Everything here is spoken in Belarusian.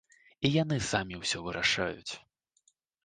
І яны самі ўсё вырашаюць.